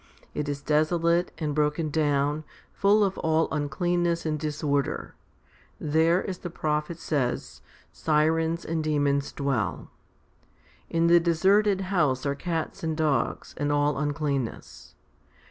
It is desolate, and broken down, full of all uncleanness and disorder. There, as the prophet says, sirens and demons dwell. 1 In the deserted house are cats and dogs, and all uncleanness.